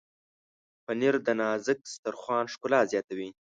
پنېر د نازک دسترخوان ښکلا زیاتوي.